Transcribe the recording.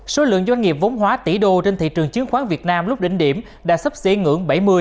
số lượng doanh nghiệp vốn hóa tỷ đô trên thị trường chứng khoán việt nam lúc đỉnh điểm đã sắp xế ngưỡng bảy mươi